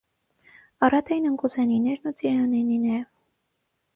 Առատ էին ընկուզենիներն ու ծիրանիները։